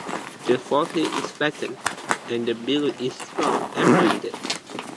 The forehead is flattened, and the bill is strong and pointed.